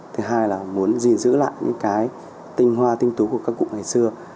thứ hai là muốn gìn giữ lại những cái tinh hoa tinh tú của các cụ ngày xưa